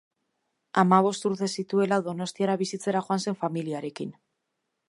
Hamabost urte zituela, Donostiara bizitzera joan zen familiarekin.